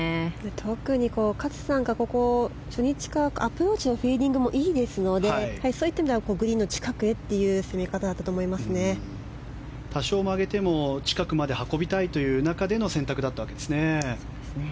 特に勝さんがここ、初日からアプローチのフィーリングもいいですのでそういった意味ではグリーンの近くへという多少、曲げても近くまで運びたいという中での選択だったわけですね。